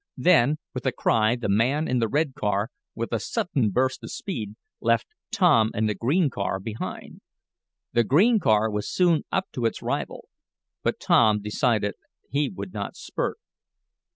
Then, with a cry the man in the red car, with a sudden burst of speed, left Tom and the green car behind. The green car was soon up to its rival, but Tom decided he would not spurt.